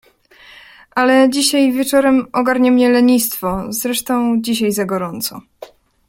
Ale dzisiaj wieczorem ogarnie mnie lenistwo… zresztą dzisiaj za gorąco!